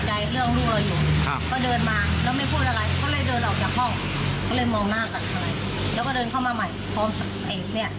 จะหายมั้ยคุณหมอจะผิวไอ้นี้มั้ย